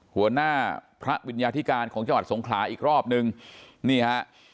หัวหน้าพระวิญญาธิการของจังหวัดสงขลาอีกรอบนึงนี่ฮะ